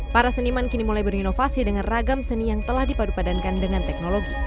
para seniman kini mulai berinovasi dengan ragam seni yang telah dipadu padankan dengan teknologi